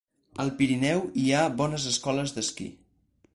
Al Pirineu hi ha bones escoles d'esquí.